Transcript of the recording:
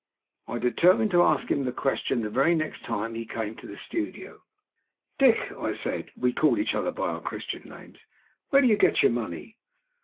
I determined to ask him the question the very next time he came to the studio. "Dick," I said (we called each other by our Christian names), "where do you get your money?"